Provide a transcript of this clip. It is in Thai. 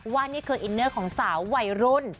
ว่านี่คืออินเนอร์ของสาววัยรุ่น